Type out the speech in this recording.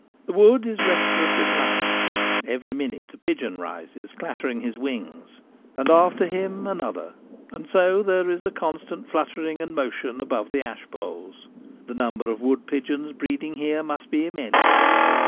The wood is restless with life : every minute a pigeon rises, clattering his wings, and after him 70 The Gamekeeper at Home. another; and so there is a constant fluttering and motion above the ash poles. The number of wood pigeons breeding here must be immense.